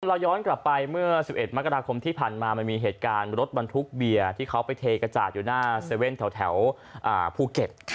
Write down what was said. เราย้อนกลับไปเมื่อ๑๑มกราคมที่ผ่านมามันมีเหตุการณ์รถบรรทุกเบียร์ที่เขาไปเทกระจาดอยู่หน้า๗๑๑แถวภูเก็ต